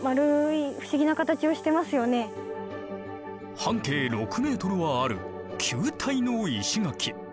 半径６メートルはある球体の石垣。